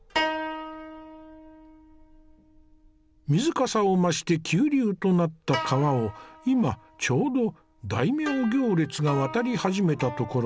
水かさを増して急流となった川を今ちょうど大名行列が渡り始めたところだ。